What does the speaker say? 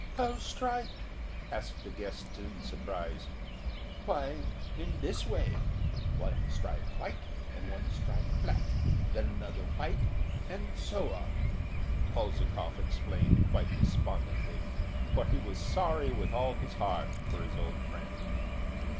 "How striped?" asked the guests in surprise. "Why, in this way: one stripe white, and one black, then another white, and so on," Polzikov explained quite despondently, for he was sorry with all his heart for his old friend.